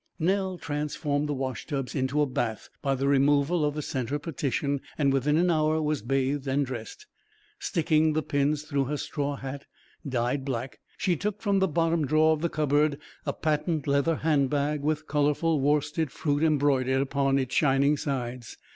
Humph!..." Nell transformed the washtubs into a bath by the removal of the centre partition, and within an hour was bathed and dressed. Sticking the pins through her straw hat, dyed black, she took from the bottom drawer of the cupboard a patent leather hand bag with colourful worsted fruit embroidered upon its shining sides.